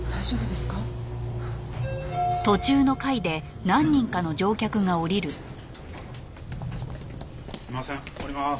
すいません降ります。